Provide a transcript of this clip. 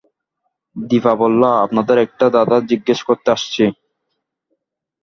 দিপা বলল, আপনেরে একটা ধাঁধা জিজ্ঞেস করতে আসছি।